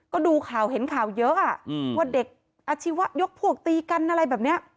ก็ดูข่าวเห็นข่าวเยอะว่าเด็กอาชีวะยกพวกตีกันอะไรแบบนี้